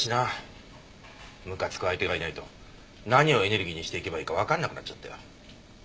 むかつく相手がいないと何をエネルギーにしていけばいいかわかんなくなっちゃったよ。